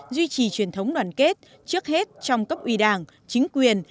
duy trì truyền thống đoàn kết trước hết trong cấp ủy đảng chính quyền